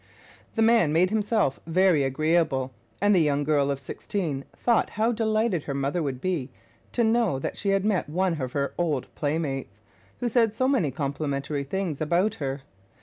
The man made himself very agreeable; and the young girl of sixteen thought how delighted her mother would be to know she had met one of her old playmates, who said so many complimentary things about her.